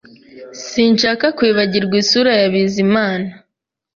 Sinshaka kwibagirwa isura ya Bizimana